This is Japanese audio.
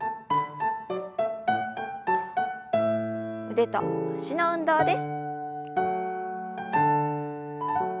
腕と脚の運動です。